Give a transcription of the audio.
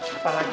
lupa lagi sih ma